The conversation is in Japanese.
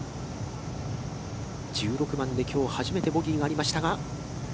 １６番で、きょう初めてボギーがありましたが。